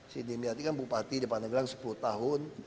si dimyati kan bupati di pandeglang sepuluh tahun